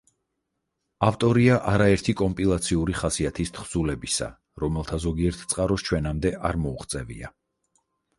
ავტორია არაერთი კომპილაციური ხასიათის თხზულებისა, რომელთა ზოგიერთ წყაროს ჩვენამდე არ მოუღწევია.